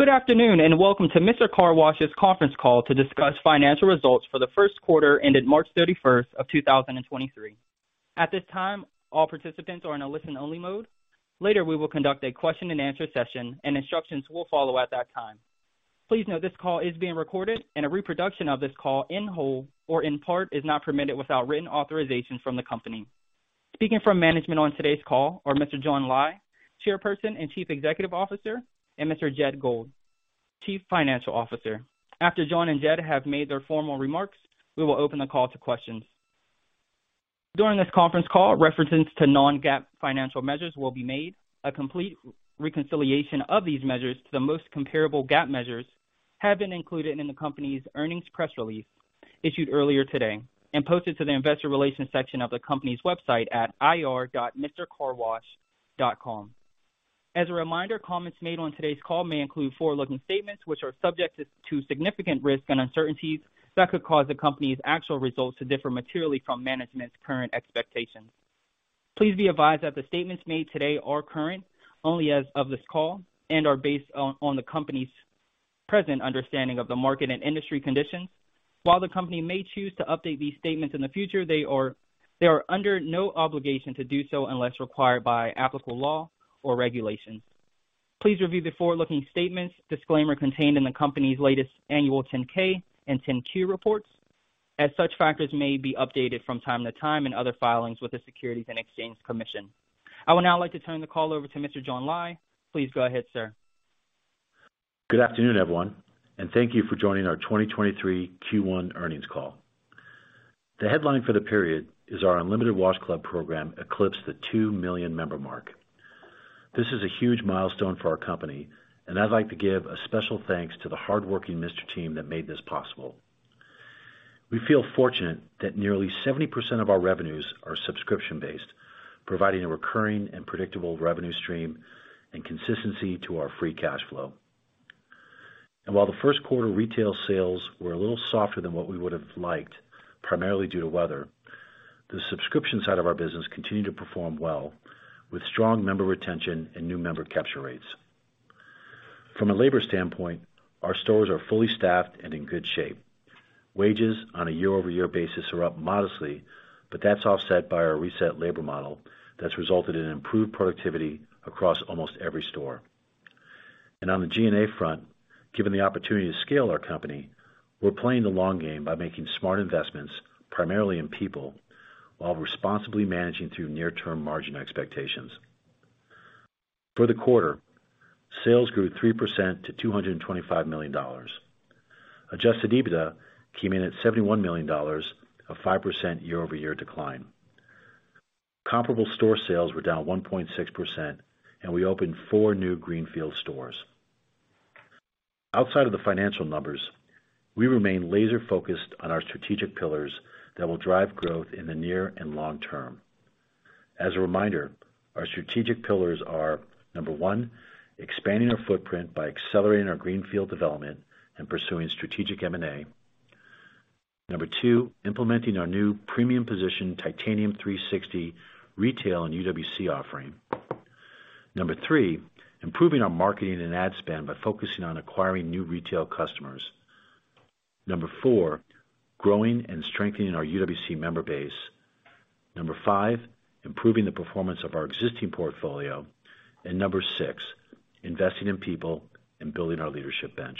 Good afternoon, and welcome to Mister Car Wash's conference call to discuss financial results for the first quarter ended March 31st, 2023. At this time, all participants are in a listen-only mode. Later, we will conduct a question-and-answer session, and instructions will follow at that time. Please note this call is being recorded, and a reproduction of this call in whole or in part is not permitted without written authorization from the company. Speaking from management on today's call are Mr. John Lai, Chairperson and Chief Executive Officer, and Mr. Jed Gold, Chief Financial Officer. After John and Jed have made their formal remarks, we will open the call to questions. During this conference call, references to non-GAAP financial measures will be made. A complete reconciliation of these measures to the most comparable GAAP measures have been included in the company's earnings press release issued earlier today and posted to the investor relations section of the company's website at ir.mistercarwash.com. As a reminder, comments made on today's call may include forward-looking statements which are subject to significant risks and uncertainties that could cause the company's actual results to differ materially from management's current expectations. Please be advised that the statements made today are current only as of this call and are based on the company's present understanding of the market and industry conditions. While the company may choose to update these statements in the future, they are under no obligation to do so unless required by applicable law or regulations. Please review the forward-looking statements disclaimer contained in the company's latest annual 10-K and 10-Q reports, as such factors may be updated from time to time in other filings with the Securities and Exchange Commission. I would now like to turn the call over to Mr. John Lai. Please go ahead, sir. Good afternoon, everyone, and thank you for joining our 2023 Q1 earnings call. The headline for the period is our Unlimited Wash Club program eclipsed the 2 million-member mark. This is a huge milestone for our company, and I'd like to give a special thanks to the hardworking Mister team that made this possible. We feel fortunate that nearly 70% of our revenues are subscription-based, providing a recurring and predictable revenue stream and consistency to our free cash flow. While the first quarter retail sales were a little softer than what we would have liked, primarily due to weather, the subscription side of our business continued to perform well, with strong member retention and new member capture rates. From a labor standpoint, our stores are fully staffed and in good shape. Wages on a year-over-year basis are up modestly, but that's offset by our reset labor model that's resulted in improved productivity across almost every store. On the G&A front, given the opportunity to scale our company, we're playing the long game by making smart investments primarily in people, while responsibly managing through near-term margin expectations. For the quarter, sales grew 3% to $225 million. Adjusted EBITDA came in at $71 million of 5% year-over-year decline. Comparable store sales were down 1.6%, and we opened four new greenfield stores. Outside of the financial numbers, we remain laser-focused on our strategic pillars that will drive growth in the near and long term. As a reminder, our strategic pillars are, number one, expanding our footprint by accelerating our greenfield development and pursuing strategic M&A. Number two, implementing our new premium position Titanium 360 retail and UWC offering. Number three, improving our marketing and ad spend by focusing on acquiring new retail customers. Number four, growing and strengthening our UWC member base. Number five, improving the performance of our existing portfolio. Number six, investing in people and building our leadership bench.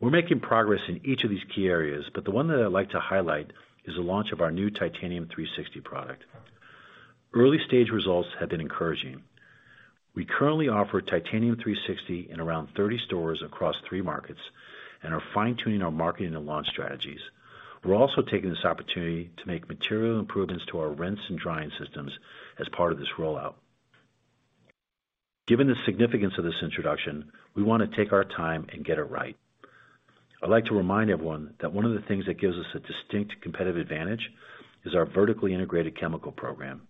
We're making progress in each of these key areas, but the one that I'd like to highlight is the launch of our new Titanium 360 product. Early-stage results have been encouraging. We currently offer Titanium 360 in around 30 stores across three markets and are fine-tuning our marketing and launch strategies. We're also taking this opportunity to make material improvements to our rinse and drying systems as part of this rollout. Given the significance of this introduction, we wanna take our time and get it right. I'd like to remind everyone that one of the things that gives us a distinct competitive advantage is our vertically integrated chemical program.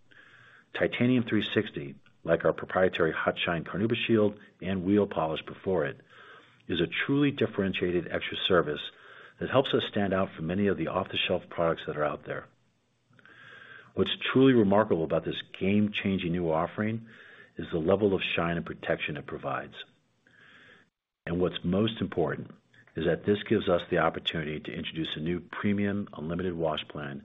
Titanium 360, like our proprietary HotShine Carnauba Shield and wheel polish before it, is a truly differentiated extra service that helps us stand out from many of the off-the-shelf products that are out there. What's truly remarkable about this game-changing new offering is the level of shine and protection it provides. What's most important is that this gives us the opportunity to introduce a new premium Unlimited Wash plan,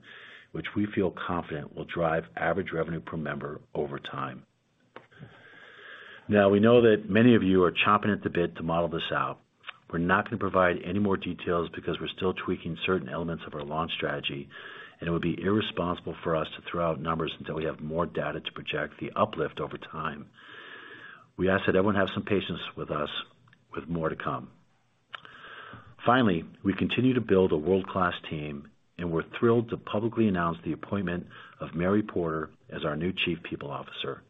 which we feel confident will drive average revenue per member over time. We know that many of you are chomping at the bit to model this out. We're not gonna provide any more details because we're still tweaking certain elements of our launch strategy, and it would be irresponsible for us to throw out numbers until we have more data to project the uplift over time. We ask that everyone have some patience with us with more to come. Finally, we continue to build a world-class team, and we're thrilled to publicly announce the appointment of Mary Porter as our new chief people officer.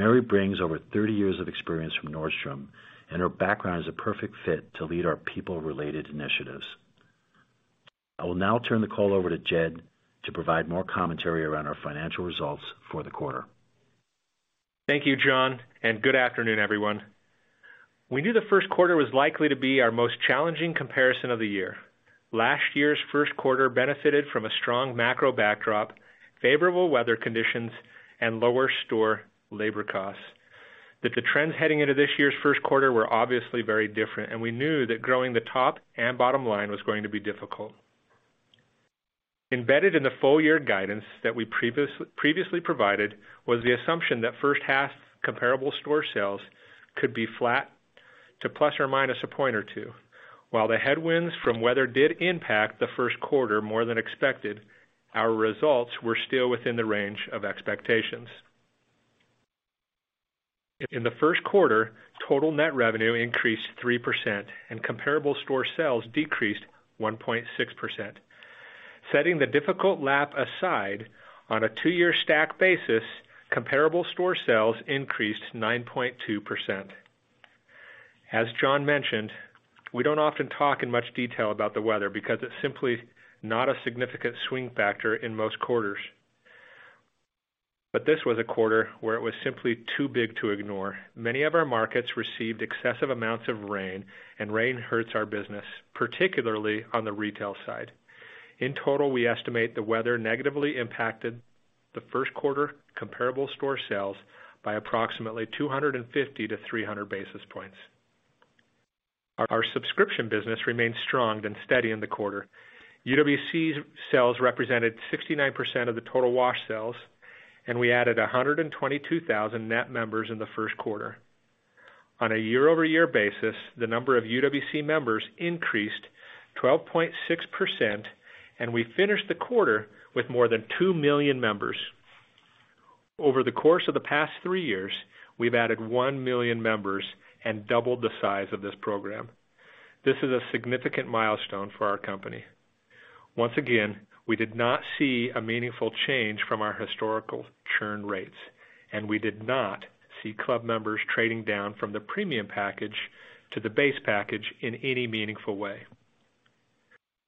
Mary brings over 30 years of experience from Nordstrom, and her background is a perfect fit to lead our people-related initiatives. I will now turn the call over to Jed to provide more commentary around our financial results for the quarter. Thank you, John, good afternoon, everyone. We knew the first quarter was likely to be our most challenging comparison of the year. Last year's first quarter benefited from a strong macro backdrop, favorable weather conditions, and lower store labor costs. The trends heading into this year's first quarter were obviously very different, and we knew that growing the top and bottom line was going to be difficult. Embedded in the full year guidance that we previously provided was the assumption that first half comparable store sales could be flat to plus or minus a point or two. While the headwinds from weather did impact the first quarter more than expected, our results were still within the range of expectations. In the first quarter, total net revenue increased 3% and comparable store sales decreased 1.6%. Setting the difficult lap aside, on a two-year stack basis, comparable store sales increased 9.2%. As John mentioned, we don't often talk in much detail about the weather because it's simply not a significant swing factor in most quarters. This was a quarter where it was simply too big to ignore. Many of our markets received excessive amounts of rain, and rain hurts our business, particularly on the retail side. In total, we estimate the weather negatively impacted the first quarter comparable store sales by approximately 250 basis points-300 basis points. Our subscription business remained strong and steady in the quarter. UWC's sales represented 69% of the total wash sales, and we added 122,000 net members in the first quarter. On a year-over-year basis, the number of UWC members increased 12.6%, and we finished the quarter with more than 2 million members. Over the course of the past three years, we've added 1 million members and doubled the size of this program. This is a significant milestone for our company. Once again, we did not see a meaningful change from our historical churn rates, and we did not see club members trading down from the premium package to the base package in any meaningful way.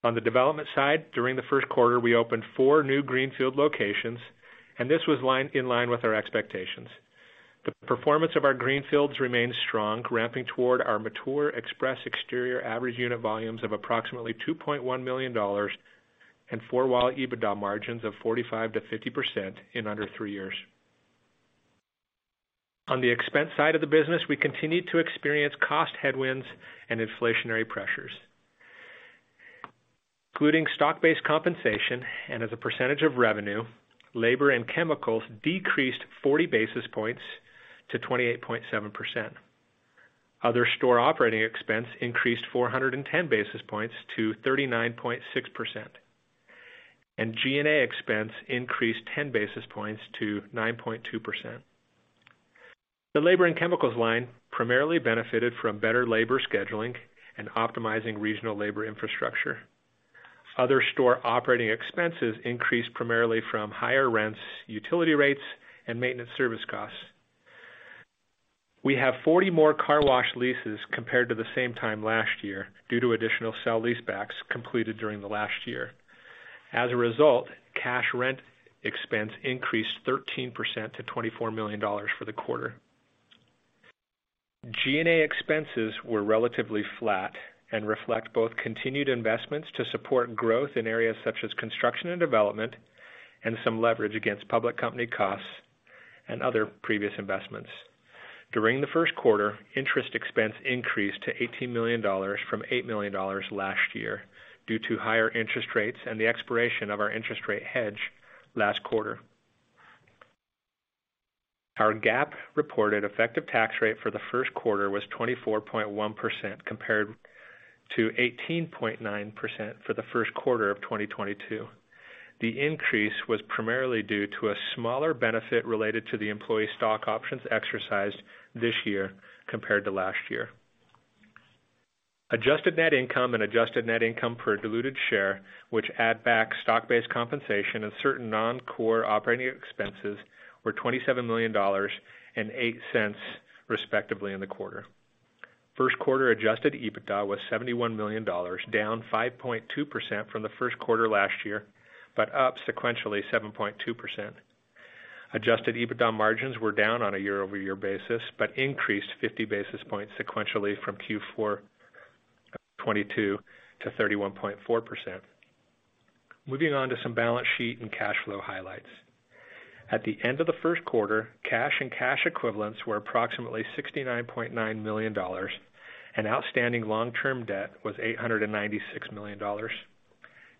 On the development side, during the first quarter, we opened four new greenfield locations, and this was in line with our expectations. The performance of our greenfields remains strong, ramping toward our mature express exterior average unit volumes of approximately $2.1 million and four-wall EBITDA margins of 45%-50% in under three years. On the expense side of the business, we continued to experience cost headwinds and inflationary pressures. Including stock-based compensation and as a percentage of revenue, labor and chemicals decreased 40 basis points to 28.7%. Other store operating expense increased 410 basis points to 39.6%. G&A expense increased 10 basis points to 9.2%. The labor and chemicals line primarily benefited from better labor scheduling and optimizing regional labor infrastructure. Other store operating expenses increased primarily from higher rents, utility rates, and maintenance service costs. We have 40 more car wash leases compared to the same time last year due to additional sale-leasebacks completed during the last year. As a result, cash rent expense increased 13% to $24 million for the quarter. G&A expenses were relatively flat and reflect both continued investments to support growth in areas such as construction and development and some leverage against public company costs and other previous investments. During the first quarter, interest expense increased to $18 million from $8 million last year due to higher interest rates and the expiration of our interest rate hedge last quarter. Our GAAP reported effective tax rate for the first quarter was 24.1% compared to 18.9% for the first quarter of 2022. The increase was primarily due to a smaller benefit related to the employee stock options exercised this year compared to last year. Adjusted net income and adjusted net income per diluted share, which add back stock-based compensation and certain non-core operating expenses, were $27 million and $0.08, respectively, in the quarter. First quarter Adjusted EBITDA was $71 million, down 5.2% from the first quarter last year, but up sequentially 7.2%. Adjusted EBITDA margins were down on a year-over-year basis, but increased 50 basis points sequentially from Q4 of 2022 to 31.4%. Moving on to some balance sheet and cash flow highlights. At the end of the first quarter, cash and cash equivalents were approximately $69.9 million, and outstanding long-term debt was $896 million.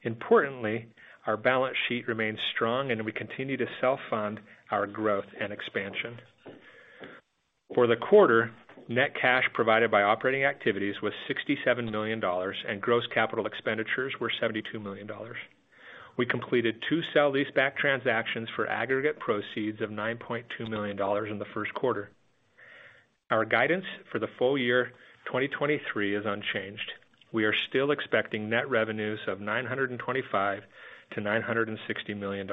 Importantly, our balance sheet remains strong, and we continue to self-fund our growth and expansion. For the quarter, net cash provided by operating activities was $67 million, and gross capital expenditures were $72 million. We completed two sale-leaseback transactions for aggregate proceeds of $9.2 million in the first quarter. Our guidance for the full year 2023 is unchanged. We are still expecting net revenues of $925 million-$960 million,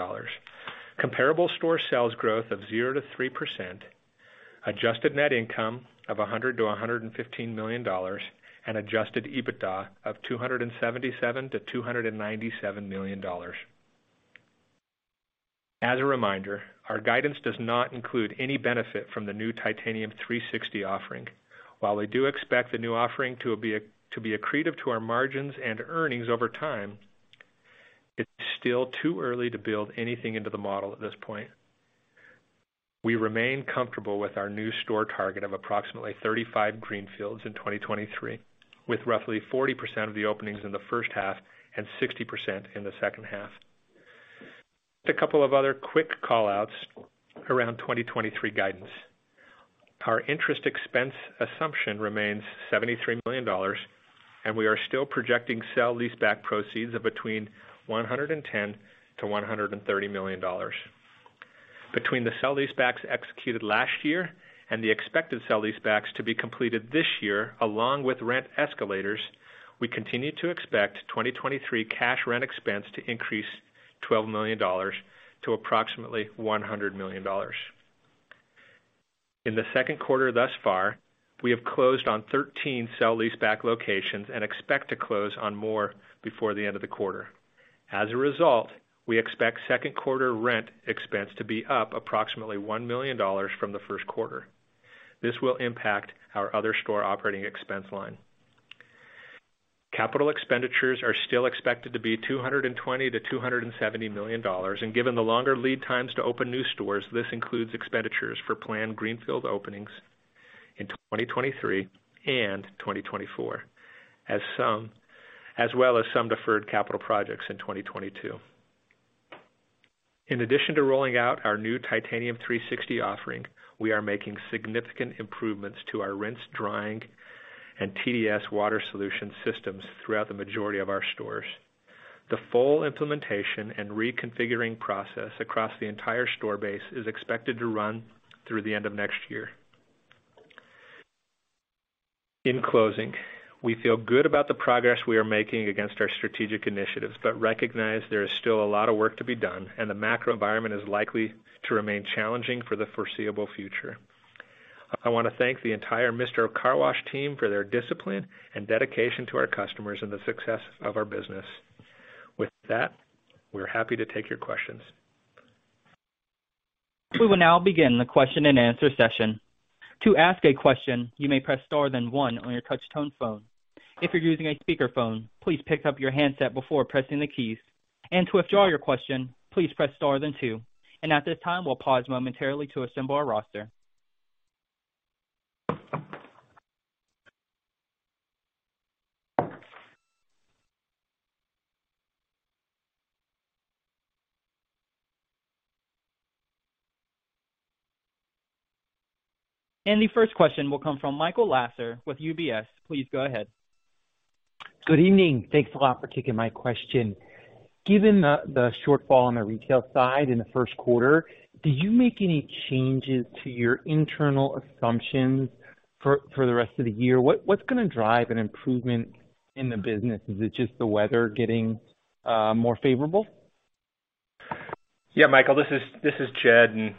comparable store sales growth of 0%-3%, adjusted net income of $100 million-$115 million, and Adjusted EBITDA of $277 million-$297 million. As a reminder, our guidance does not include any benefit from the new Titanium 360° offering. While we do expect the new offering to be accretive to our margins and earnings over time, it's still too early to build anything into the model at this point. We remain comfortable with our new store target of approximately 35 greenfields in 2023, with roughly 40% of the openings in the first half and 60% in the second half. A couple of other quick call-outs around 2023 guidance. Our interest expense assumption remains $73 million, and we are still projecting sale-leaseback proceeds of between $110 million-$130 million. Between the sale-leasebacks executed last year and the expected sale-leasebacks to be completed this year, along with rent escalators, we continue to expect 2023 cash rent expense to increase $12 million to approximately $100 million. In the second quarter thus far, we have closed on 13 sale-leaseback locations and expect to close on more before the end of the quarter. As a result, we expect second quarter rent expense to be up approximately $1 million from the first quarter. This will impact our other store operating expense line. Capital expenditures are still expected to be $220 million-$270 million, and given the longer lead times to open new stores, this includes expenditures for planned greenfield openings in 2023 and 2024, as well as some deferred capital projects in 2022. In addition to rolling out our new Titanium 360 offering, we are making significant improvements to our rinse, drying, and TDS water solution systems throughout the majority of our stores. The full implementation and reconfiguring process across the entire store base is expected to run through the end of next year. In closing, we feel good about the progress we are making against our strategic initiatives, but recognize there is still a lot of work to be done, and the macro environment is likely to remain challenging for the foreseeable future. I wanna thank the entire Mister Car Wash team for their discipline and dedication to our customers and the success of our business. With that, we're happy to take your questions. We will now begin the question-and-answer session. To ask a question, you may press star then one on your touch tone phone. If you're using a speakerphone, please pick up your handset before pressing the keys. To withdraw your question, please press star then two. At this time, we'll pause momentarily to assemble our roster. The first question will come from Michael Lasser with UBS. Please go ahead. Good evening. Thanks a lot for taking my question. Given the shortfall on the retail side in the first quarter, did you make any changes to your internal assumptions for the rest of the year? What's gonna drive an improvement in the business? Is it just the weather getting more favorable? Yeah. Michael, this is Jed.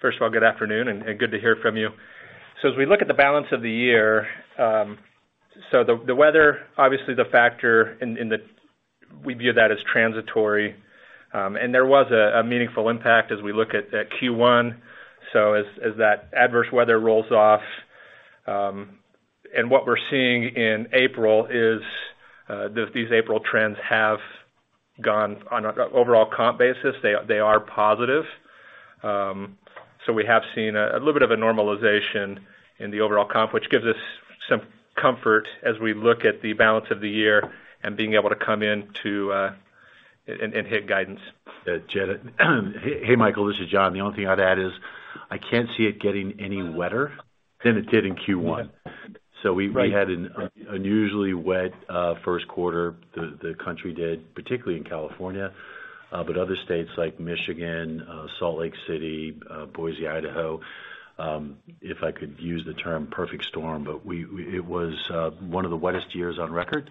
First of all, good afternoon and good to hear from you. As we look at the balance of the year, the weather, obviously the factor. We view that as transitory, and there was a meaningful impact as we look at Q1. As that adverse weather rolls off, and what we're seeing in April is, these April trends have gone on a overall comp basis. They are positive. We have seen a little bit of a normalization in the overall comp, which gives us some comfort as we look at the balance of the year and being able to come in to and hit guidance. Jed. Hey, Michael, this is John. The only thing I'd add is I can't see it getting any wetter than it did in Q1. Right. We had an unusually wet, first quarter, the country did, particularly in California, but other states like Michigan, Salt Lake City, Boise, Idaho, if I could use the term perfect storm. We, it was one of the wettest years on record,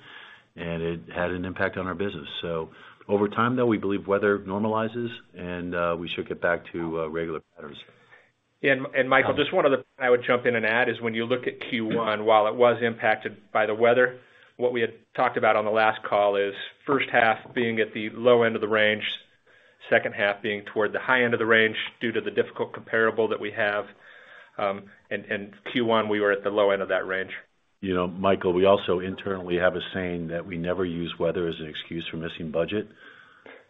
and it had an impact on our business. Over time, though, we believe weather normalizes, and we should get back to regular patterns. Yeah. Michael, just one other thing I would jump in and add is when you look at Q1, while it was impacted by the weather, what we had talked about on the last call is first half being at the low end of the range, second half being toward the high end of the range due to the difficult comparable that we have. and Q1, we were at the low end of that range. You know, Michael, we also internally have a saying that we never use weather as an excuse for missing budget.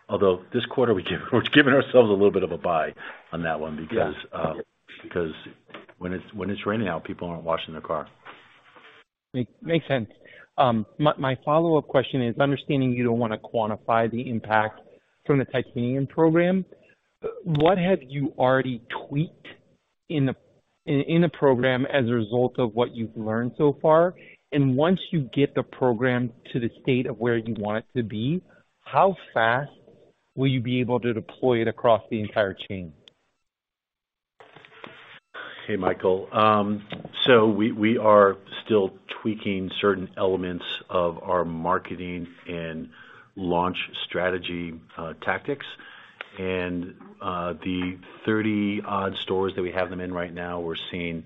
Although this quarter, we're giving ourselves a little bit of a buy on that one because- Yeah. Because when it's, when it's raining out, people aren't washing their car. Makes sense. My follow-up question is, understanding you don't wanna quantify the impact from the Titanium program, what have you already tweaked in the program as a result of what you've learned so far? Once you get the program to the state of where you want it to be, how fast will you be able to deploy it across the entire chain? Hey, Michael. We are still tweaking certain elements of our marketing and launch strategy, tactics. The 30-odd stores that we have them in right now, we're seeing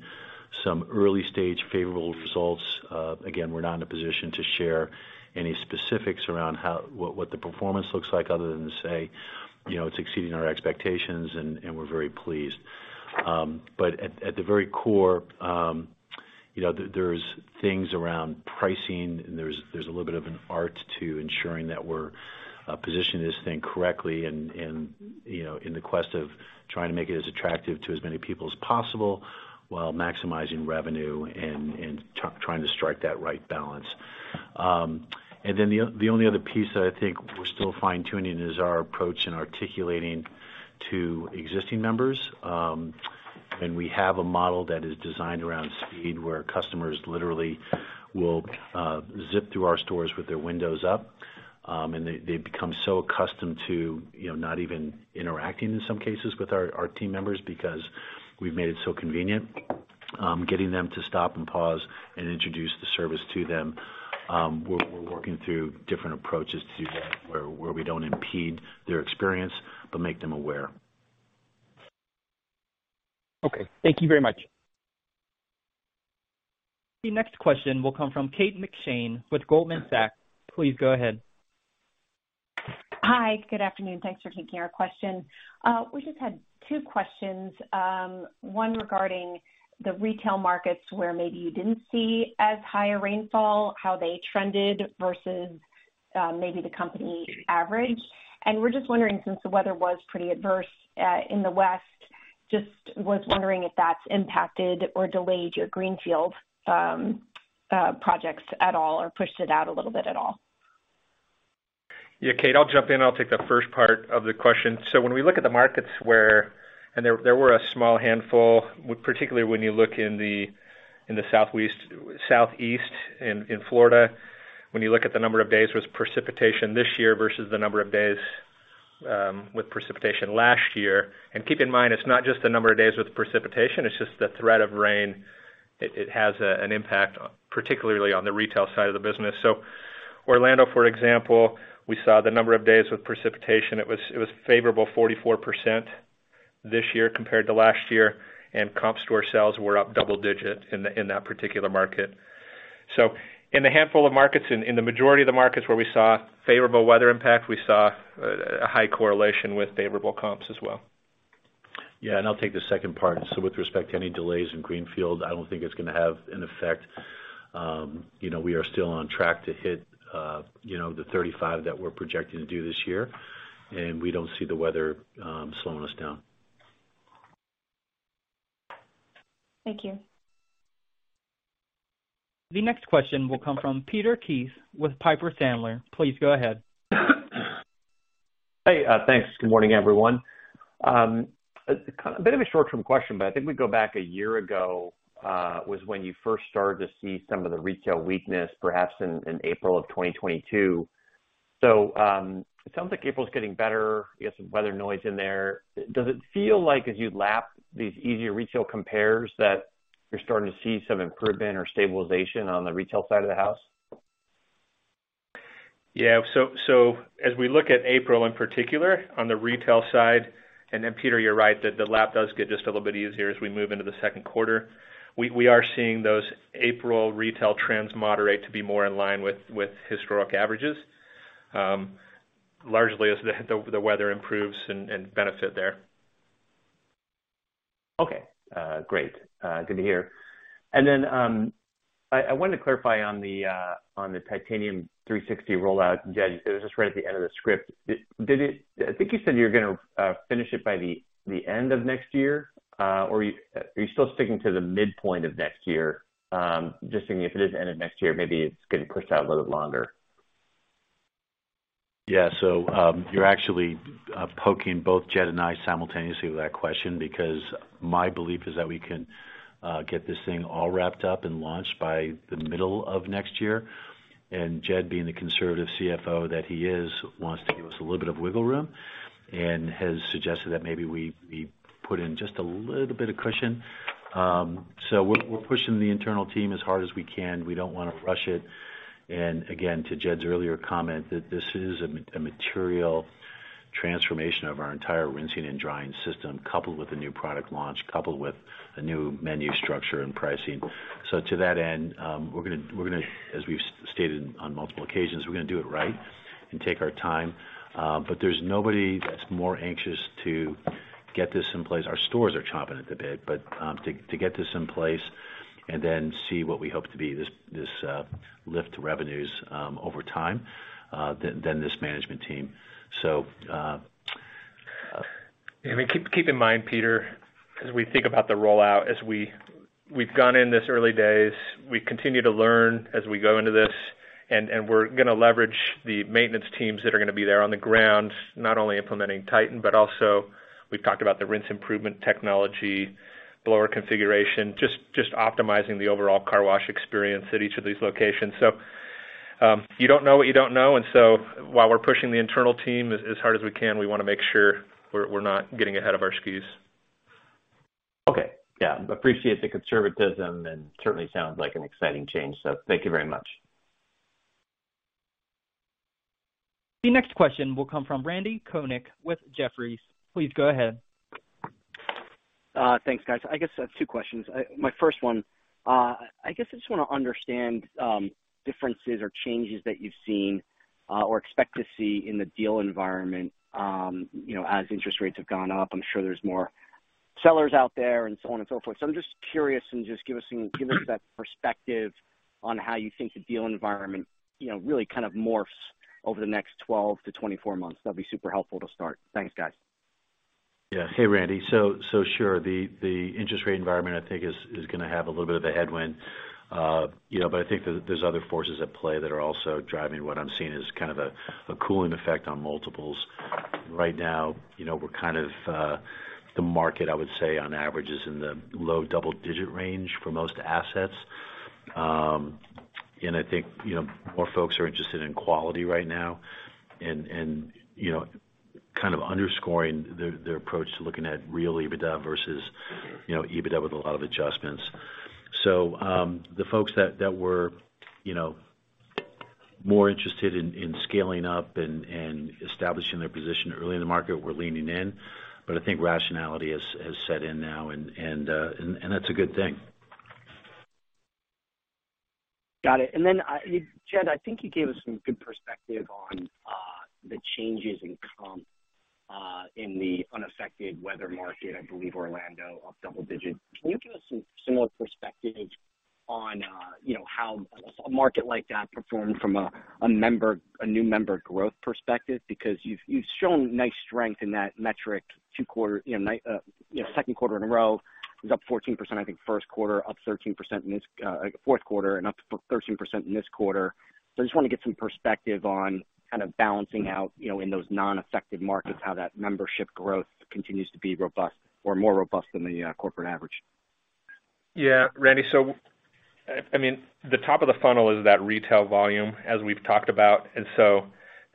some early-stage favorable results. Again, we're not in a position to share any specifics around what the performance looks like other than to say, you know, it's exceeding our expectations and we're very pleased. At the very core, you know, there's things around pricing and there's a little bit of an art to ensuring that we're positioning this thing correctly and, you know, in the quest of trying to make it as attractive to as many people as possible while maximizing revenue and trying to strike that right balance. The only other piece that I think we're still fine-tuning is our approach in articulating to existing members. We have a model that is designed around speed, where customers literally will zip through our stores with their windows up. They become so accustomed to, you know, not even interacting in some cases with our team members because we've made it so convenient, getting them to stop and pause and introduce the service to them. We're working through different approaches to that where we don't impede their experience but make them aware. Okay. Thank you very much. The next question will come from Kate McShane with Goldman Sachs. Please go ahead. Hi. Good afternoon. Thanks for taking our question. We just had two questions. One regarding the retail markets where maybe you didn't see as high a rainfall, how they trended versus, maybe the company average? We're just wondering, since the weather was pretty adverse, in the west, just was wondering if that's impacted or delayed your greenfield projects at all or pushed it out a little bit at all? Yeah, Kate, I'll jump in. I'll take the first part of the question. When we look at the markets where. There were a small handful, particularly when you look in the Southwest, Southeast in Florida, when you look at the number of days with precipitation this year versus the number of days with precipitation last year. Keep in mind, it's not just the number of days with precipitation, it's just the threat of rain. It has an impact, particularly on the retail side of the business. Orlando, for example, we saw the number of days with precipitation. It was a favorable 44% this year compared to last year, and comp store sales were up double-digit in that particular market. In a handful of markets, in the majority of the markets where we saw favorable weather impact, we saw a high correlation with favorable comps as well. Yeah, I'll take the second part. With respect to any delays in greenfield, I don't think it's gonna have an effect. You know, we are still on track to hit, you know, the 35 that we're projecting to do this year, we don't see the weather slowing us down. Thank you. The next question will come from Peter Keith with Piper Sandler. Please go ahead. Hey, thanks. Good morning, everyone. A bit of a short-term question, but I think we go back a year ago was when you first started to see some of the retail weakness, perhaps in April of 2022. It sounds like April's getting better. You have some weather noise in there. Does it feel like as you lap these easier retail compares that you're starting to see some improvement or stabilization on the retail side of the house? Yeah. As we look at April in particular on the retail side, Peter, you're right that the lap does get just a little bit easier as we move into the second quarter. We are seeing those April retail trends moderate to be more in line with historic averages, largely as the weather improves and benefit there. Okay. Great. Good to hear. I wanted to clarify on the Titanium 360 rollout. Jed, it was just right at the end of the script. I think you said you're gonna finish it by the end of next year. Or are you still sticking to the midpoint of next year? Just thinking if it is the end of next year, maybe it's getting pushed out a little bit longer. Yeah. You're actually poking both Jed and I simultaneously with that question because my belief is that we can get this thing all wrapped up and launched by the middle of next year. Jed, being the conservative CFO that he is, wants to give us a little bit of wiggle room and has suggested that maybe we put in just a little bit of cushion. We're pushing the internal team as hard as we can. We don't wanna rush it. Again, to Jed's earlier comment, that this is a material transformation of our entire rinsing and drying system, coupled with a new product launch, coupled with a new menu structure and pricing. To that end, we're gonna, as we've stated on multiple occasions, we're gonna do it right and take our time. There's nobody that's more anxious to get this in place. Our stores are chomping at the bit. To get this in place and then see what we hope to be this lift to revenues over time than this management team. Yeah, I mean, keep in mind, Peter, as we think about the rollout, as we've gone in this early days, we continue to learn as we go into this, and we're gonna leverage the maintenance teams that are gonna be there on the ground, not only implementing Titanium, but also, we've talked about the rinse improvement technology, blower configuration, just optimizing the overall car wash experience at each of these locations. You don't know what you don't know. While we're pushing the internal team as hard as we can, we wanna make sure we're not getting ahead of our skis. Okay. Yeah. Appreciate the conservatism and certainly sounds like an exciting change. Thank you very much. The next question will come from Randy Konik with Jefferies. Please go ahead. Thanks, guys. I guess that's two questions. My first one, I guess I just wanna understand differences or changes that you've seen or expect to see in the deal environment, you know, as interest rates have gone up, I'm sure there's more sellers out there and so on and so forth. I'm just curious, and just give us that perspective on how you think the deal environment, you know, really kind of morphs over the next 12 months-24 months. That'd be super helpful to start. Thanks, guys. Yeah. Hey, Randy. Sure the interest rate environment, I think is gonna have a little bit of a headwind, you know, I think there's other forces at play that are also driving what I'm seeing as kind of a cooling effect on multiples. Right now, you know, we're kind of the market, I would say, on average is in the low double digit range for most assets. I think, you know, more folks are interested in quality right now and, you know, kind of underscoring their approach to looking at real EBITDA versus, you know, EBITDA with a lot of adjustments. The folks that were, you know, more interested in scaling up and establishing their position early in the market, we're leaning in, but I think rationality has set in now and that's a good thing. Got it. Jed, I think you gave us some good perspective on the changes in comp in the unaffected weather market. I believe Orlando, up double digits. Can you give us some similar perspective on, you know, how a market like that performed from a new member growth perspective? You've shown nice strength in that metric two quarter, you know, second quarter in a row. It was up 14%, I think first quarter, up 13% in this fourth quarter, and up 13% in this quarter. I just wanna get some perspective on kind of balancing out, you know, in those non-affected markets, how that membership growth continues to be robust or more robust than the corporate average. Randy. I mean, the top of the funnel is that retail volume, as we've talked about, and so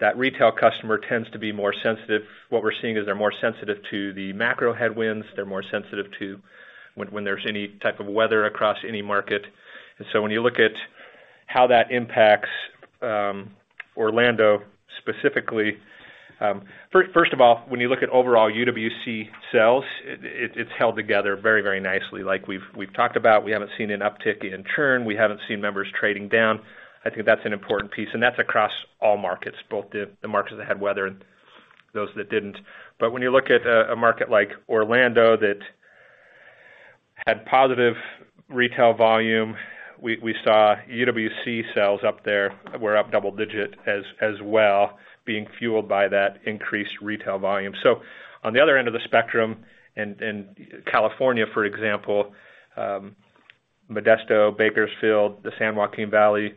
that retail customer tends to be more sensitive. What we're seeing is they're more sensitive to the macro headwinds. They're more sensitive to when there's any type of weather across any market. When you look at how that impacts Orlando specifically, first of all, when you look at overall UWC sales, it's held together very, very nicely like we've talked about. We haven't seen an uptick in churn. We haven't seen members trading down. I think that's an important piece, and that's across all markets, both the markets that had weather and those that didn't. When you look at a market like Orlando that had positive retail volume, we saw UWC sales up there were up double-digit as well, being fueled by that increased retail volume. On the other end of the spectrum, and California, for example, Modesto, Bakersfield, the San Joaquin Valley,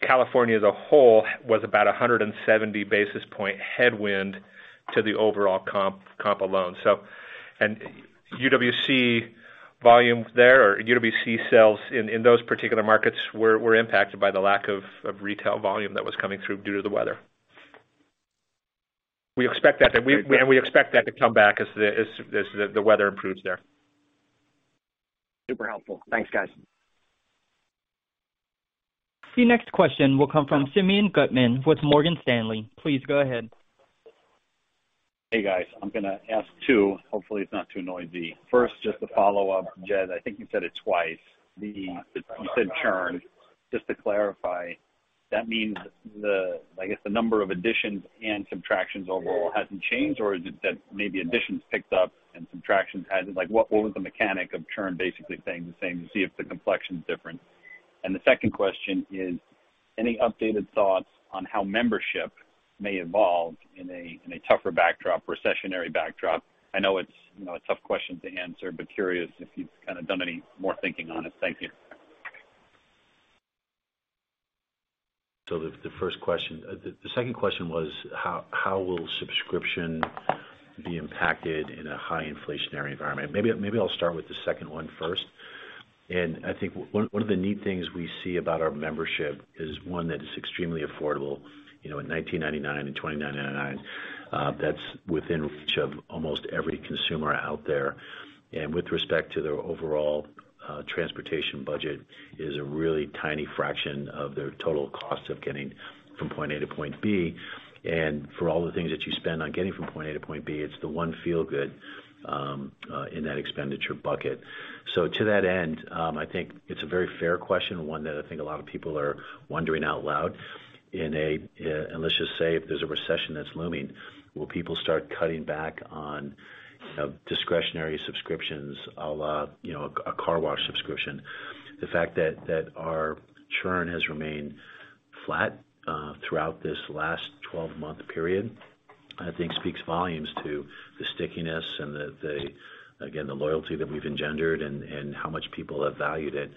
California as a whole was about 170 basis point headwind to the overall comp alone. UWC volume there or UWC sales in those particular markets were impacted by the lack of retail volume that was coming through due to the weather. We expect that, and we expect that to come back as the weather improves there. Super helpful. Thanks, guys. The next question will come from Simeon Gutman with Morgan Stanley. Please go ahead. Hey, guys. I'm gonna ask two. Hopefully, it's not too noisy. First, just to follow up, Jed, I think you said it twice, you said churn. Just to clarify, that means I guess, the number of additions and subtractions overall hasn't changed, or is it that maybe additions picked up and subtractions hadn't? Like, what was the mechanic of churn basically saying the same to see if the complexion's different? The second question is, any updated thoughts on how membership may evolve in a tougher backdrop, recessionary backdrop? I know it's, you know, a tough question to answer, but curious if you've kinda done any more thinking on it. Thank you. The first question. The second question was how will subscription be impacted in a high inflationary environment? Maybe I'll start with the second one first. I think one of the neat things we see about our membership is, one, that it's extremely affordable, you know, at $19.99 and $29.99. That's within reach of almost every consumer out there. With respect to their overall transportation budget, is a really tiny fraction of their total cost of getting from point A to point B. For all the things that you spend on getting from point A to point B, it's the one feel good in that expenditure bucket. To that end, I think it's a very fair question, one that I think a lot of people are wondering out loud in a, let's just say if there's a recession that's looming, will people start cutting back on, you know, discretionary subscriptions, a la, you know, a car wash subscription? The fact that our churn has remained flat throughout this last 12-month period, I think speaks volumes to the stickiness and the, again, the loyalty that we've engendered and how much people have valued it.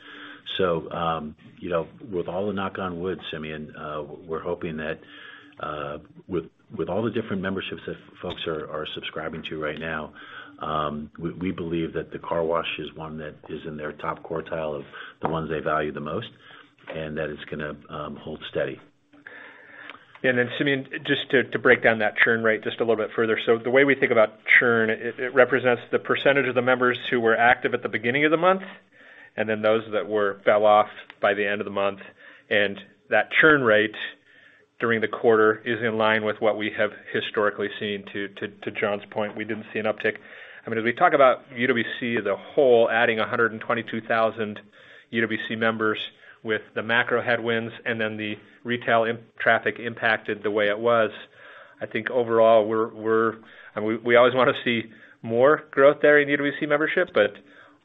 You know, with all the knock on wood, Simeon, we're hoping that with all the different memberships that folks are subscribing to right now, we believe that the car wash is one that is in their top quartile of the ones they value the most, and that it's gonna hold steady. Simeon, just to break down that churn rate just a little bit further. The way we think about churn, it represents the % of the members who were active at the beginning of the month. And then those that fell off by the end of the month. That churn rate during the quarter is in line with what we have historically seen. To John's point, we didn't see an uptick. I mean, as we talk about UWC as a whole, adding 122,000 UWC members with the macro headwinds and then the retail traffic impacted the way it was, I think overall we're— I mean, we always wanna see more growth there in UWC membership, but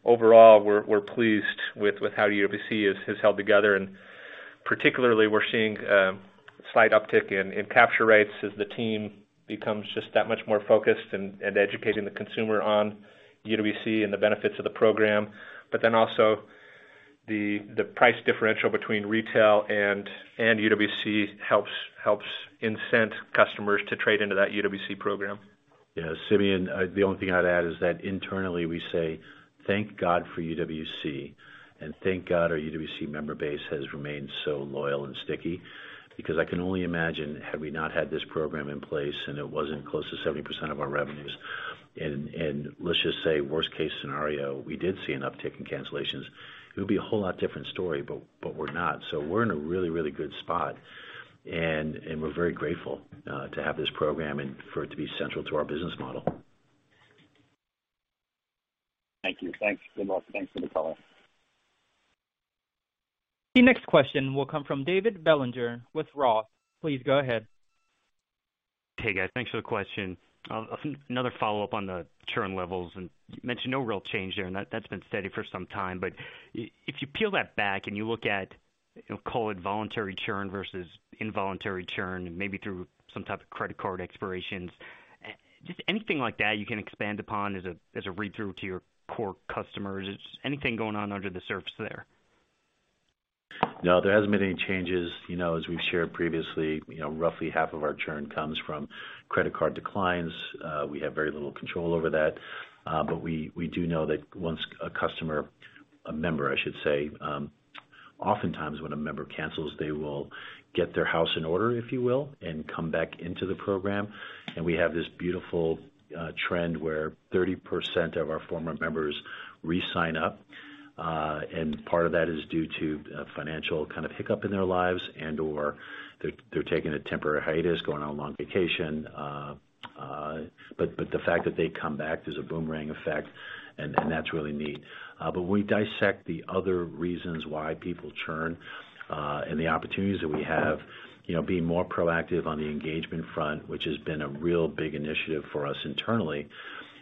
overall, we're pleased with how UWC has held together. Particularly we're seeing slight uptick in capture rates as the team becomes just that much more focused in educating the consumer on UWC and the benefits of the program. Also the price differential between retail and UWC helps incent customers to trade into that UWC program. Yeah, Simeon, the only thing I'd add is that internally we say, thank God for UWC, and thank God our UWC member base has remained so loyal and sticky. I can only imagine, had we not had this program in place, and it wasn't close to 70% of our revenues, and let's just say, worst case scenario, we did see an uptick in cancellations, it would be a whole lot different story, but we're not. We're in a really, really good spot, and we're very grateful to have this program and for it to be central to our business model. Thank you. Thanks, Jim. Thanks for the call. The next question will come from David Bellinger with Roth. Please go ahead. Hey, guys. Thanks for the question. Another follow-up on the churn levels, you mentioned no real change there, and that's been steady for some time. If you peel that back and you look at, you know, call it voluntary churn versus involuntary churn, and maybe through some type of credit card expirations, just anything like that you can expand upon as a read-through to your core customers. Is anything going on under the surface there? No, there hasn't been any changes. You know, as we've shared previously, you know, roughly half of our churn comes from credit card declines. We have very little control over that. We do know that once a customer, a member, I should say, oftentimes when a member cancels, they will get their house in order, if you will, and come back into the program. We have this beautiful trend where 30% of our former members re-sign up. Part of that is due to a financial kind of hiccup in their lives and/or they're taking a temporary hiatus, going on long vacation. The fact that they come back, there's a boomerang effect, that's really neat. We dissect the other reasons why people churn, and the opportunities that we have, you know, being more proactive on the engagement front, which has been a real big initiative for us internally,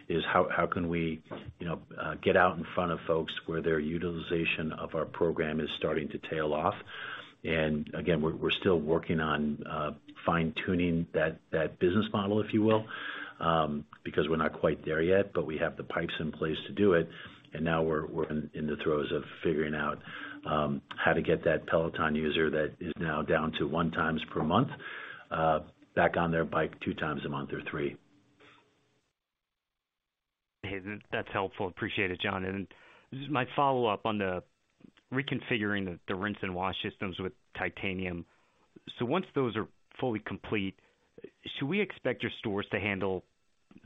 is how can we, you know, get out in front of folks where their utilization of our program is starting to tail off. Again, we're still working on fine-tuning that business model, if you will, because we're not quite there yet, but we have the pipes in place to do it. Now we're in the throes of figuring out how to get that Peloton user that is now down to one time per month back on their bike two times a month or three. That's helpful. Appreciate it, John. This is my follow-up on the reconfiguring the rinse and wash systems with Titanium. Once those are fully complete, should we expect your stores to handle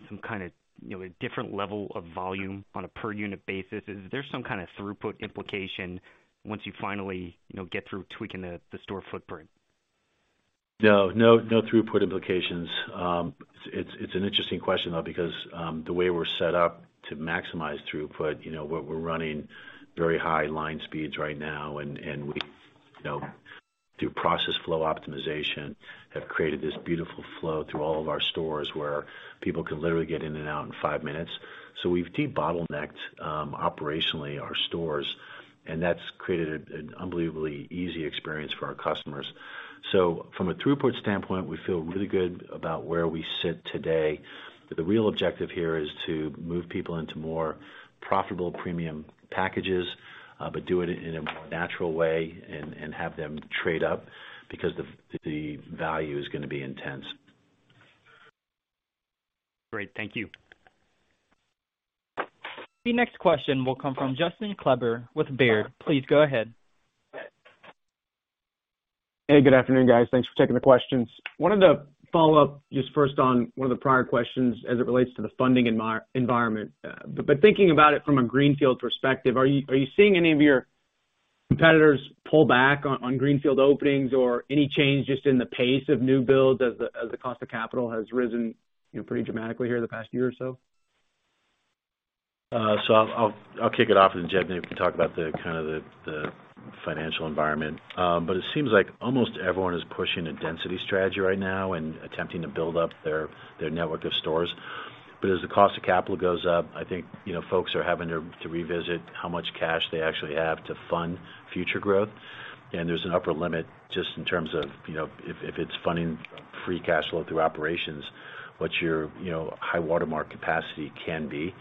some kind of, you know, a different level of volume on a per unit basis? Is there some kind of throughput implication once you finally, you know, get through tweaking the store footprint? No. No, no throughput implications. It's, it's an interesting question, though, because, the way we're set up to maximize throughput, you know, we're running very high line speeds right now, and we, you know, through process flow optimization, have created this beautiful flow through all of our stores where people can literally get in and out in five minutes. We've de-bottlenecked, operationally our stores, and that's created an unbelievably easy experience for our customers. From a throughput standpoint, we feel really good about where we sit today. The real objective here is to move people into more profitable premium packages, but do it in a more natural way and have them trade up because the value is gonna be intense. Great. Thank you. The next question will come from Justin Kleber with Baird. Please go ahead. Hey, good afternoon, guys. Thanks for taking the questions. Wanted to follow up just first on one of the prior questions as it relates to the funding environment. Thinking about it from a greenfield perspective, are you seeing any of your competitors pull back on greenfield openings or any change just in the pace of new builds as the cost of capital has risen, you know, pretty dramatically here in the past year or so? I'll kick it off, and Jed, maybe you can talk about the kind of the financial environment. It seems like almost everyone is pushing a density strategy right now and attempting to build up their network of stores. As the cost of capital goes up, I think, you know, folks are having to revisit how much cash they actually have to fund future growth. There's an upper limit just in terms of, you know, if it's funding from free cash flow through operations, what your, you know, high watermark capacity can be.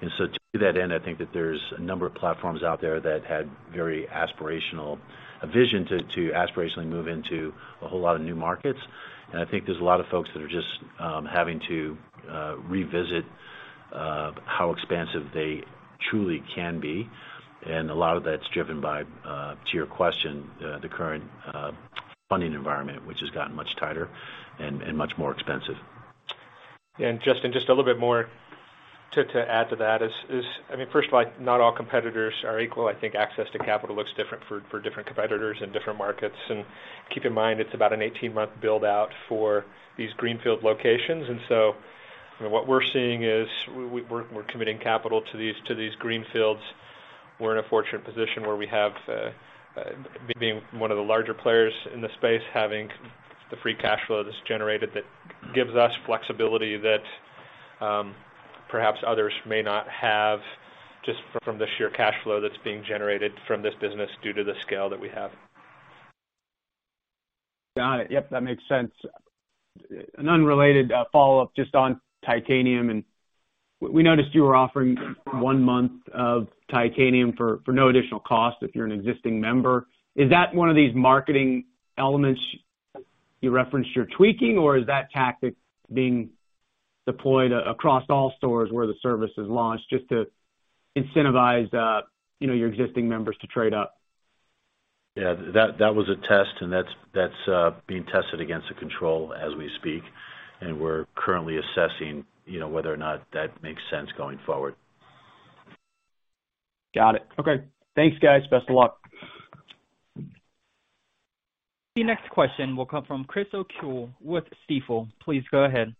To that end, I think that there's a number of platforms out there that had very aspirational a vision to aspirationally move into a whole lot of new markets. I think there's a lot of folks that are just having to revisit how expansive they truly can be. A lot of that's driven by, to your question, the current funding environment, which has gotten much tighter and much more expensive. Justin, just a little bit more to add to that is, I mean, first of all, not all competitors are equal. I think access to capital looks different for different competitors in different markets. Keep in mind, it's about an 18-month build-out for these greenfield locations. What we're seeing is we're committing capital to these greenfields. We're in a fortunate position where we have, being one of the larger players in the space, having the free cash flow that's generated that gives us flexibility that perhaps others may not have just from the sheer cash flow that's being generated from this business due to the scale that we have. Got it. Yep, that makes sense. An unrelated follow-up just on Titanium. We noticed you were offering one month of Titanium for no additional cost if you're an existing member. Is that one of these marketing elements you referenced you're tweaking, or is that tactic being deployed across all stores where the service is launched just to incentivize, you know, your existing members to trade up? Yeah, that was a test, and that's being tested against a control as we speak, and we're currently assessing, you know, whether or not that makes sense going forward. Got it. Okay. Thanks, guys. Best of luck. The next question will come from Chris O'Cull with Stifel. Please go ahead.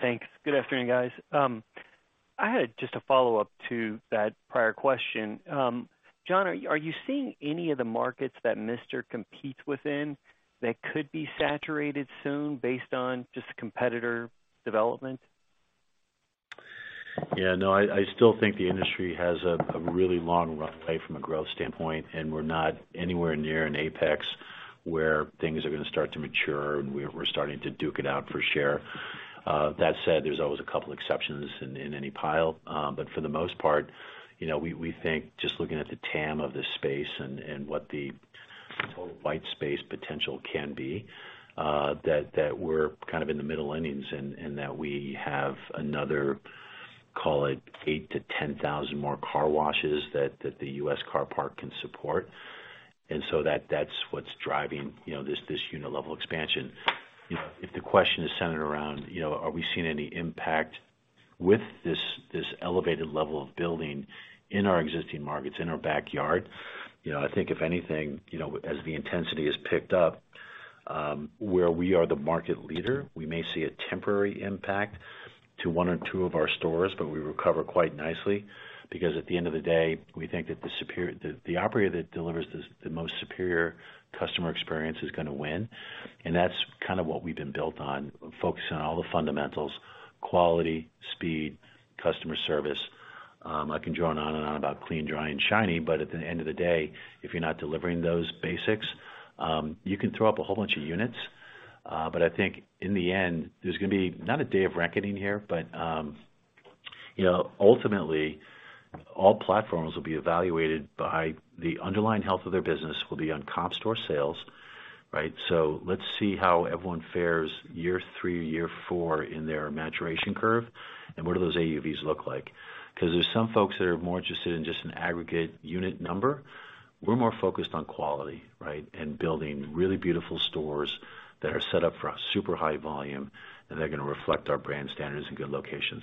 Thanks. Good afternoon, guys. I had just a follow-up to that prior question. John, are you seeing any of the markets that Mister competes within that could be saturated soon based on just competitor development? Yeah, no, I still think the industry has a really long runway from a growth standpoint, and we're not anywhere near an apex where things are gonna start to mature, and we're starting to duke it out for share. That said, there's always a couple exceptions in any pile. For the most part, you know, we think just looking at the TAM of this space and what the total white space potential can be, that we're kind of in the middle innings and that we have another, call it 8,000-10,000 more car washes that the U.S. car park can support. That's what's driving, you know, this unit level expansion. If the question is centered around, you know, are we seeing any impact with this elevated level of building in our existing markets, in our backyard? You know, I think if anything, you know, as the intensity is picked up, where we are the market leader, we may see a temporary impact to one or two of our stores. We recover quite nicely. At the end of the day, we think that the operator that delivers the most superior customer experience is gonna win. That's kind of what we've been built on, focusing on all the fundamentals: quality, speed, customer service. I can drone on and on about clean, dry and shiny. At the end of the day, if you're not delivering those basics, you can throw up a whole bunch of units. I think in the end, there's going to be not a day of reckoning here, but, you know, ultimately, all platforms will be evaluated by the underlying health of their business, will be on comparable store sales, right? Let's see how everyone fares year three, year four in their maturation curve, and what do those AUVs look like? 'Cause there's some folks that are more interested in just an aggregate unit number. We're more focused on quality, right? Building really beautiful stores that are set up for a super high volume, and they're gonna reflect our brand standards in good locations.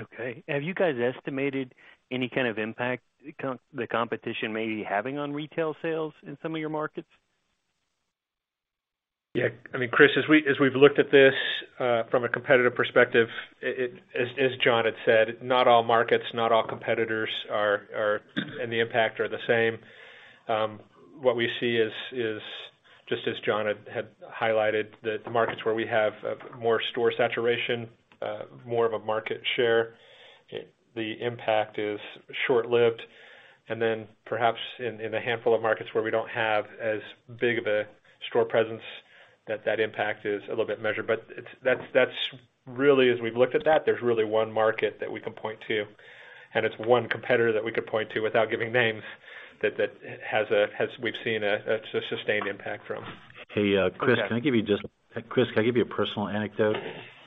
Okay. Have you guys estimated any kind of impact the competition may be having on retail sales in some of your markets? Yeah. I mean, Chris O'Cull, as we've looked at this from a competitive perspective, as John Lai had said, not all markets, not all competitors are, and the impact are the same. What we see is just as John Lai had highlighted, the markets where we have more store saturation, more of a market share, the impact is short-lived. Then perhaps in a handful of markets where we don't have as big of a store presence, that impact is a little bit measured. That's really, as we've looked at that, there's really one market that we can point to, and it's one competitor that we could point to without giving names that we've seen a sustained impact from. Hey, Chris, can I give you a personal anecdote?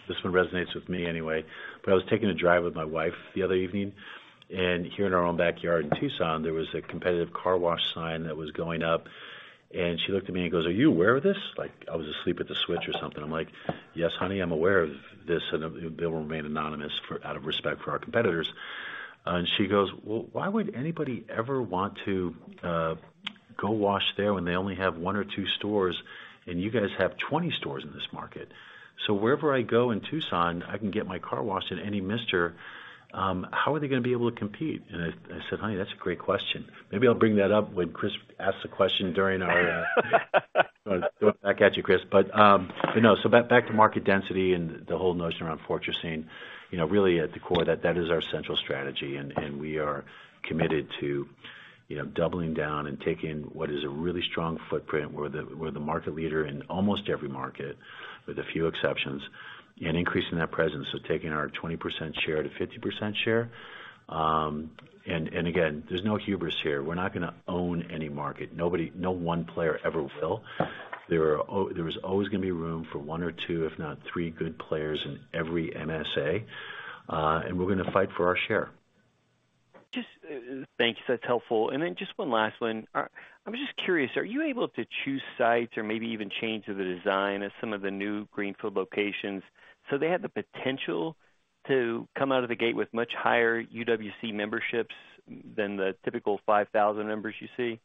This one resonates with me anyway. I was taking a drive with my wife the other evening, here in our own backyard in Tucson, there was a competitive car wash sign that was going up. She looked at me and goes, Are you aware of this? Like, I was asleep at the switch or something. I'm like, Yes, honey, I'm aware of this. It will remain anonymous for out of respect for our competitors. She goes, Well, why would anybody ever want to go wash there when they only have one or two stores and you guys have 20 stores in this market. Wherever I go in Tucson, I can get my car washed at any Mister. How are they gonna be able to compete? I said, Honey, that's a great question. Maybe I'll bring that up when Chris asks the question during our. Throw it back at you, Chris. No. Back to market density and the whole notion around fortressing, you know, really at the core, that is our central strategy, and we are committed to, you know, doubling down and taking what is a really strong footprint. We're the market leader in almost every market, with a few exceptions, and increasing that presence. Taking our 20% share to 50% share. Again, there's no hubris here. We're not gonna own any market. No one player ever will. There is always gonna be room for one or two, if not three good players in every MSA, and we're gonna fight for our share. Just thank you, that's helpful. just one last one. I'm just curious, are you able to choose sites or maybe even change the design of some of the new greenfield locations so they have the potential to come out of the gate with much higher UWC memberships than the typical 5,000 members you see?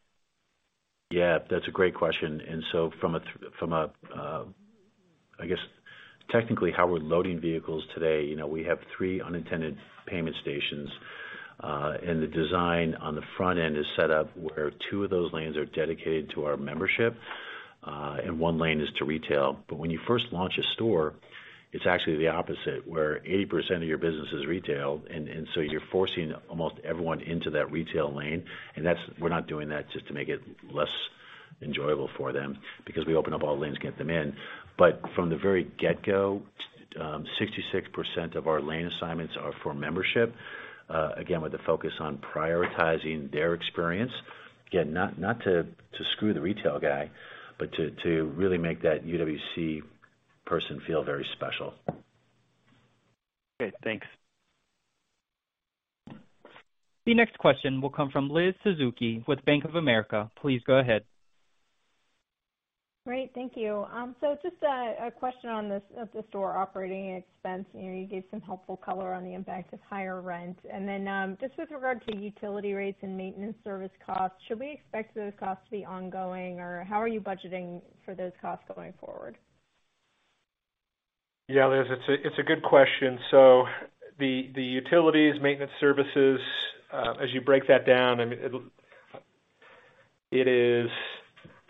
Yeah, that's a great question. From a, I guess, technically how we're loading vehicles today, you know, we have three unattended payment stations. The design on the front end is set up where two of those lanes are dedicated to our membership, and one lane is to retail. When you first launch a store, it's actually the opposite, where 80% of your business is retail, you're forcing almost everyone into that retail lane. We're not doing that just to make it less enjoyable for them because we open up all lanes to get them in. From the very get-go, 66% of our lane assignments are for membership, again, with the focus on prioritizing their experience. Again, not to screw the retail guy, but to really make that UWC person feel very special. Great. Thanks. The next question will come from Liz Suzuki with Bank of America. Please go ahead. Great. Thank you. Just a question on this, at the store operating expense. You know, you gave some helpful color on the impact of higher rent. Just with regard to utility rates and maintenance service costs, should we expect those costs to be ongoing, or how are you budgeting for those costs going forward? Yeah, Liz, it's a good question. The utilities, maintenance services, as you break that down, I mean, it is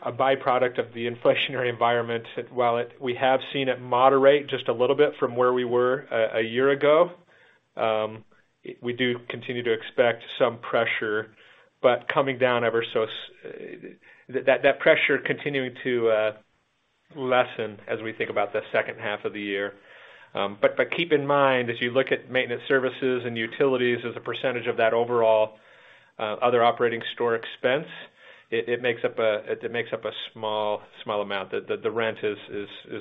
a byproduct of the inflationary environment. While we have seen it moderate just a little bit from where we were a year ago, we do continue to expect some pressure, but coming down ever so. That pressure continuing to lessen as we think about the second half of the year. Keep in mind, as you look at maintenance services and utilities as a percentage of that overall other operating store expense, it makes up a small amount. The rent is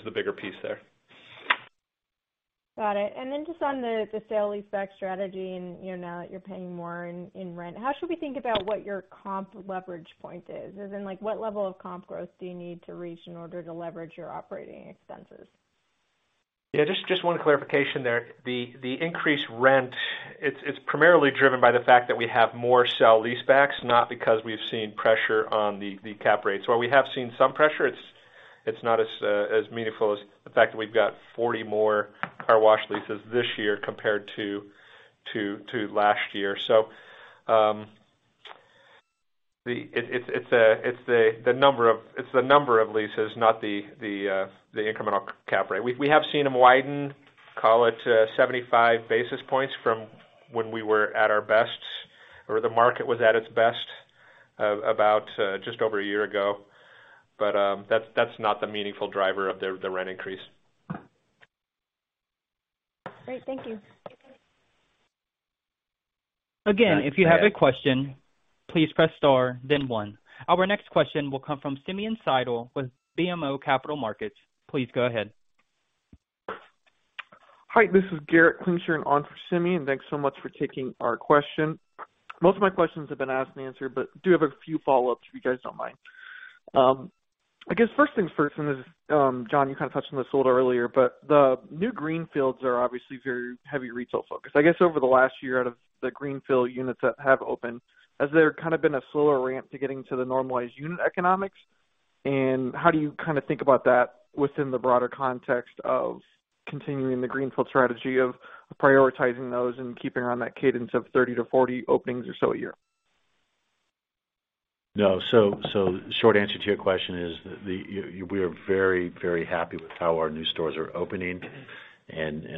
the bigger piece there. Got it. Just on the sale-leaseback strategy and, you know, now that you're paying more in rent, how should we think about what your comp leverage point is? As in, like, what level of comp growth do you need to reach in order to leverage your operating expenses? Yeah, just one clarification there. The increased rent, it's primarily driven by the fact that we have more sale-leasebacks, not because we've seen pressure on the cap rates. While we have seen some pressure, it's not as meaningful as the fact that we've got 40 more car wash leases this year compared to last year. It's the number of leases, not the incremental cap rate. We have seen them widen, call it, 75 basis points from when we were at our best or the market was at its best about just over a year ago. That's not the meaningful driver of the rent increase. Great. Thank you. If you have a question, please press star then one. Our next question will come from Simeon Siegel with BMO Capital Markets. Please go ahead. Hi, this is Garrett Klingshirn on for Simeon. Thanks so much for taking our question. Most of my questions have been asked and answered, but I do have a few follow-ups, if you guys don't mind. I guess first things first, and this is, John, you kind of touched on this a little earlier, but the new greenfields are obviously very heavy retail focused. I guess over the last year, out of the greenfield units that have opened, has there kind of been a slower ramp to getting to the normalized unit economics? How do you kind of think about that within the broader context of continuing the greenfield strategy of prioritizing those and keeping on that cadence of 30-40 openings or so a year? No. Short answer to your question is we are very happy with how our new stores are opening.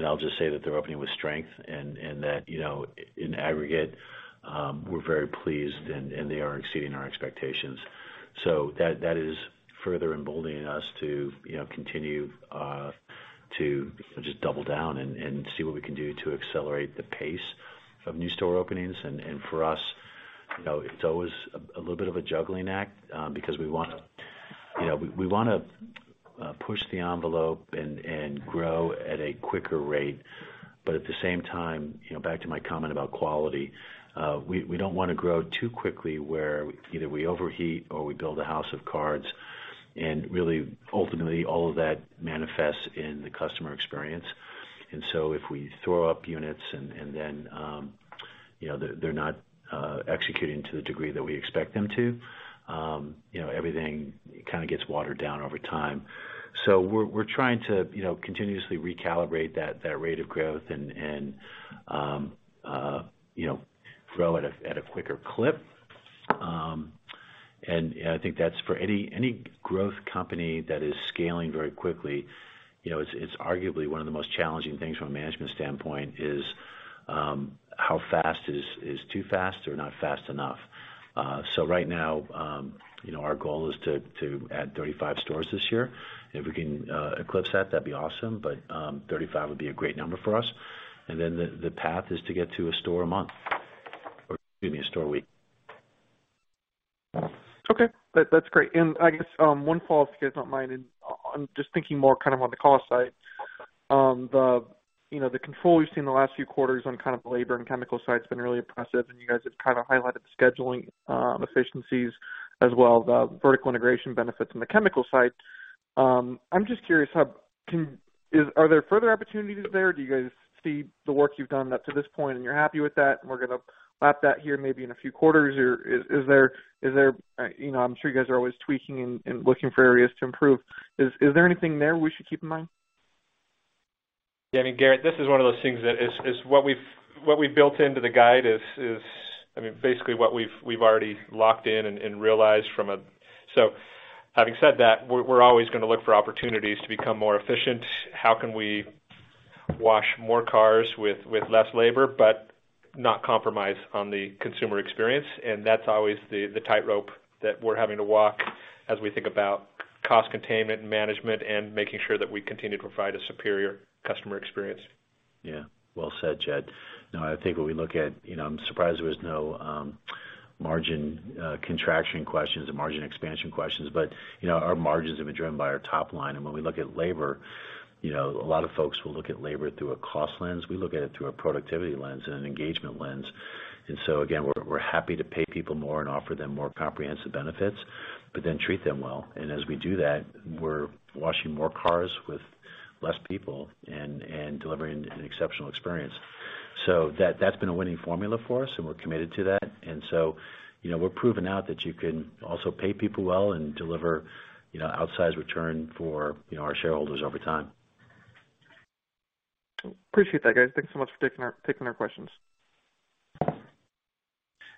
I'll just say that they're opening with strength and that, you know, in aggregate, we're very pleased and they are exceeding our expectations. That is further emboldening us to, you know, continue to just double down and see what we can do to accelerate the pace of new store openings. For us, you know, it's always a little bit of a juggling act because we want, you know, we wanna push the envelope and grow at a quicker rate. At the same time, you know, back to my comment about quality, we don't wanna grow too quickly where either we overheat or we build a house of cards. Really ultimately, all of that manifests in the customer experience. If we throw up units and then, you know, they're not executing to the degree that we expect them to, you know, everything kinda gets watered down over time. We're trying to, you know, continuously recalibrate that rate of growth and grow at a quicker clip. I think that's for any growth company that is scaling very quickly, you know, it's arguably one of the most challenging things from a management standpoint is how fast is too fast or not fast enough. Right now, you know, our goal is to add 35 stores this year. If we can eclipse that'd be awesome. 35 would be a great number for us. The path is to get to a store a month. Excuse me, a store a week. Okay. That, that's great. I guess, one follow-up if you guys don't mind. I'm just thinking more kind of on the cost side. The, you know, the control we've seen in the last few quarters on kind of labor and chemical side has been really impressive, and you guys have kind of highlighted scheduling, efficiencies as well the vertical integration benefits on the chemical side. I'm just curious, how can? Are there further opportunities there? Do you guys see the work you've done up to this point and you're happy with that and we're gonna lap that here maybe in a few quarters? Is there, you know, I'm sure you guys are always tweaking and looking for areas to improve. Is there anything there we should keep in mind? Yeah. I mean, Garrett, this is one of those things that is what we've built into the guide is. I mean, basically what we've already locked in and realized from a. Having said that, we're always gonna look for opportunities to become more efficient. How can we wash more cars with less labor but not compromise on the consumer experience? That's always the tightrope that we're having to walk as we think about cost containment management and making sure that we continue to provide a superior customer experience. Yeah. Well said, Jed. No, I think when we look at, you know, I'm surprised there was no margin contraction questions or margin expansion questions, but, you know, our margins have been driven by our top line. When we look at labor, you know, a lot of folks will look at labor through a cost lens. We look at it through a productivity lens and an engagement lens. Again, we're happy to pay people more and offer them more comprehensive benefits, but then treat them well. As we do that, we're washing more cars with less people and delivering an exceptional experience. That's been a winning formula for us, and we're committed to that. You know, we're proving out that you can also pay people well and deliver, you know, outsized return for, you know, our shareholders over time. Appreciate that, guys. Thanks so much for taking our questions.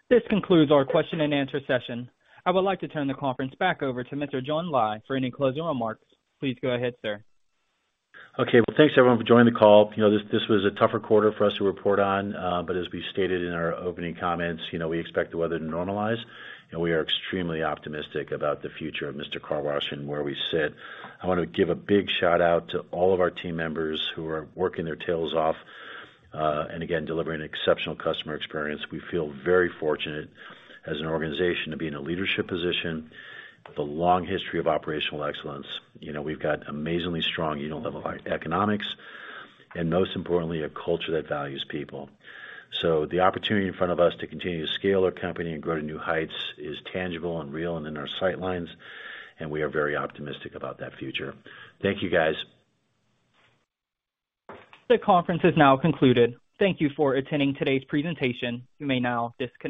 This concludes our question and answer session. I would like to turn the conference back over to Mr. John Lai for any closing remarks. Please go ahead, sir. Well, thanks everyone for joining the call. You know, this was a tougher quarter for us to report on, but as we stated in our opening comments, you know, we expect the weather to normalize, and we are extremely optimistic about the future of Mister Car Wash and where we sit. I wanna give a big shout out to all of our team members who are working their tails off, again, delivering an exceptional customer experience. We feel very fortunate as an organization to be in a leadership position with a long history of operational excellence. You know, we've got amazingly strong unit level economics, most importantly, a culture that values people. The opportunity in front of us to continue to scale our company and grow to new heights is tangible and real and in our sight lines, and we are very optimistic about that future. Thank you, guys. This conference is now concluded. Thank you for attending today's presentation. You may now disconnect.